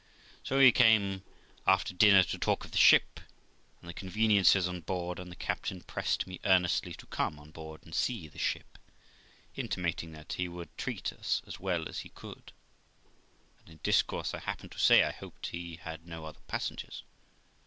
So we came after dinner to talk of the ship and the conveniences on board, and the captain pressed me earnestly to come on board and see the ship, intimating that he would treat us as well as he could ; and in discourse I happened to say I hoped he had no other passengers.